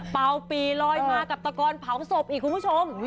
เป่าปีลอยมากับตะกอนเผาศพอีกคุณผู้ชม